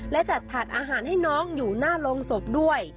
และจัดถาดอาหารให้น้องอยู่หน้าโรงศพด้วย